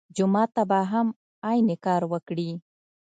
جومات به هم عین کار وکړي.